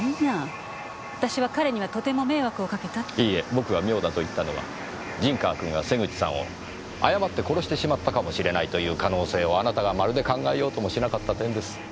僕が妙だと言ったのは陣川君が瀬口さんを誤って殺してしまったかもしれないという可能性をあなたがまるで考えようともしなかった点です。